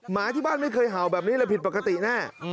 หมาที่บ้านไม่เคยเห่าแบบนี้เลยผิดปกติแน่